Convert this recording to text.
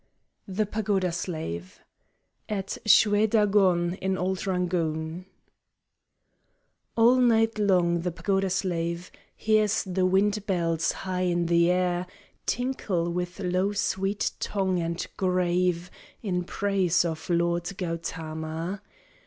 THE PAGODA SLAVE (At Shwe Dagohn, in old Rangoon) All night long the pagoda slave Hears the wind bells high in the air Tinkle with low sweet tongue and grave In praise of Lord Gautama.